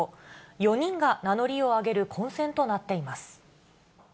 ４人が名乗りを上げる混戦となっています。